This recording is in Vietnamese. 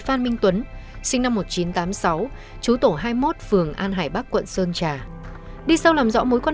phan minh tuấn sinh năm một nghìn chín trăm tám mươi sáu chú tổ hai mươi một phường an hải bắc quận sơn trà đi sau làm rõ mối quan